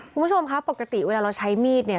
คุณผู้ชมคะปกติเวลาเราใช้มีดเนี่ย